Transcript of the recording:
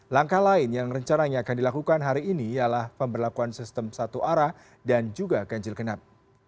langkah lain yang rencananya akan dilakukan hari ini ialah pemberlakuan sistem satu arah dan juga ganjil genap